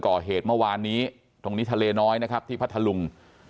ก่อเหตุเมื่อวานนี้ตรงนี้ทะเลน้อยนะครับที่พัทธลุง